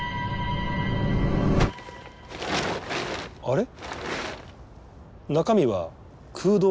あれ？